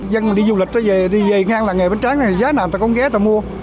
dân đi du lịch đi về ngang làng nghề bánh tráng này giá nào ta cũng ghé ta mua